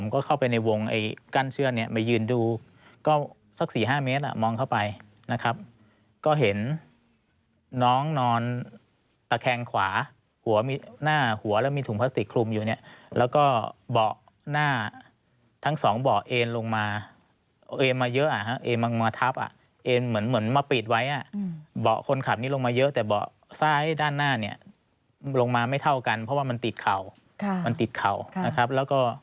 ก็เข้าไปในวงไอ้กั้นเชื่อนเนี้ยมายืนดูก็สักสี่ห้าเมตรอ่ะมองเข้าไปนะครับก็เห็นน้องนอนตะแคงขวาหัวมีหน้าหัวแล้วมีถุงพลาสติกคลุมอยู่เนี้ยแล้วก็เบาะหน้าทั้งสองเบาะเอ็นลงมาเอ็นมาเยอะอ่ะฮะเอ็นมามาทับอ่ะเอ็นเหมือนเหมือนมาปิดไว้อ่ะอืมเบาะคนขับนี้ลงมาเยอะแต่เบาะซ้ายด้านหน้าเนี้ยล